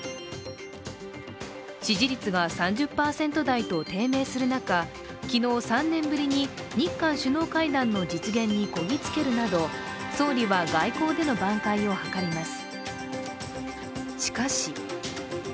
支持率が３０％台と低迷する中、昨日、３年ぶりに日韓首脳会談の実現にこぎ着けるなど、総理は外交での挽回を図ります。